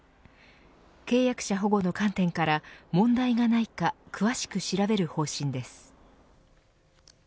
契約者保護の観点から問題がないか詳しく調べる方針です。